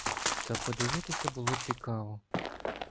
Та подивитися було цікаво.